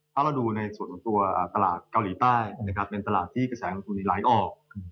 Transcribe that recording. ถ้าเราดูในส่วนของตัวตลาดเกาหลีใต้ก็เป็นตลาดที่กระแสกลายออก